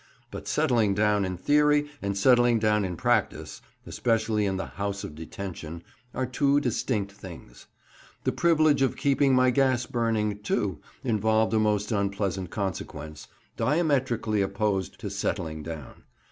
But settling down in theory and settling down in practice, especially in the "House of Detention," are two distinct things. The privilege of keeping my gas burning, too, involved a most unpleasant consequence, diametrically opposed to "settling down."